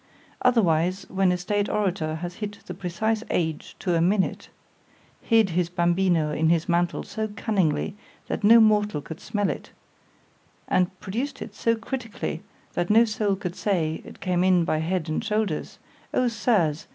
—Otherwise, when a state orator has hit the precise age to a minute——hid his BAMBINO in his mantle so cunningly that no mortal could smell it——and produced it so critically, that no soul could say, it came in by head and shoulders—Oh Sirs!